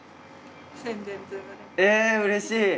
えうれしい！